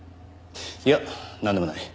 いやなんでもない。